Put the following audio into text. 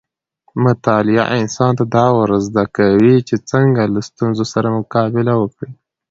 مطالعه انسان ته دا ورزده کوي چې څنګه له ستونزو سره مقابله وکړي.